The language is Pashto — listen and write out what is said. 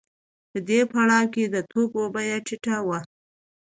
په دې پړاو کې د توکو بیه ټیټه وي